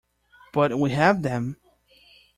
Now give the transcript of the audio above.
But we have them!